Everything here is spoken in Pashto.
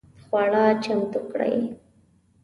خواړه چمتو کړئ